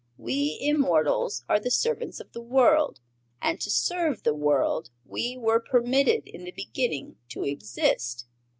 We immortals are the servants of the world, and to serve the world we were permitted in the Beginning to exist.